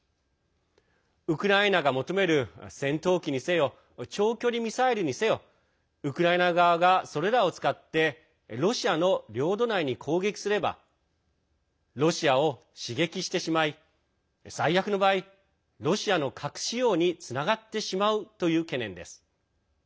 ウクライナが求める戦闘機にせよ長距離ミサイルにせよウクライナ側が、それらを使ってロシアの領土内に攻撃すればロシアを刺激してしまい最悪の場合ロシアの核使用につながってしまうという懸念です。